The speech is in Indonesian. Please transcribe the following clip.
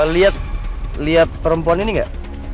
lihat perempuan ini gak